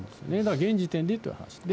現時点で言うとという話。